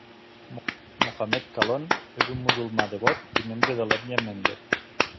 Mohamed Kallon és un musulmà devot i membre de l'ètnia Mende.